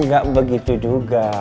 nggak begitu juga